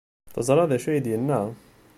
Teẓra d acu ay d-yenna?